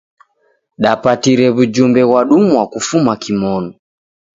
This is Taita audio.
Dapatire w'ujumbe ghwadumwa kufuma kimonu.